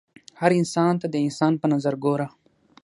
هر انسان ته د انسان په نظر ګوره